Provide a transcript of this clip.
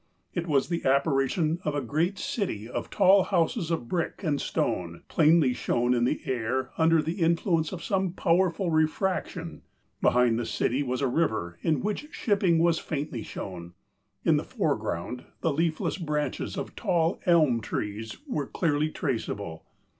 It was the apparition of a great city of tall houses of brick and stone, plainly shown in the air under the influence of some powerful refraction. Behind the city was a river in which shipping was faintly shown. In the foreground the leafless branches of tall elm trees were clearly traceable.